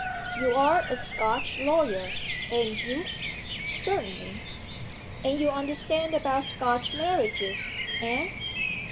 _" "You're a Scotch lawyer, ain't you?" "Certainly." "And you understand about Scotch marriages eh?"